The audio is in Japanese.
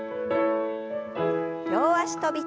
両脚跳び。